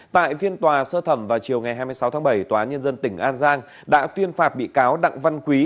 tại phiên tòa sơ thẩm vào chiều ngày hai mươi sáu tháng bảy tòa nhân dân tỉnh an giang đã tuyên phạt bị cáo đặng văn quý